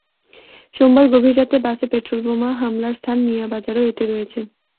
সোমবার গভীর রাতে বাসে পেট্রলবোমা হামলার স্থান মিয়া বাজারও এতে রয়েছে।